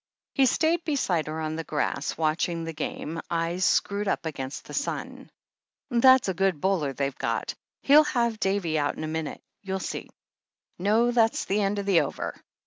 He stayed beside her on the grass, watching the game, eyes screwed up against the sun. "That's a good bowler they've got — she'll have Davy out in a minute, you'll see. ... No, that's the end of the over